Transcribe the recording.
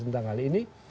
tentang hal ini